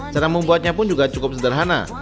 cara membuatnya pun juga cukup sederhana